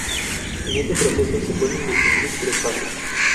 En este proceso se pueden distinguir tres fases.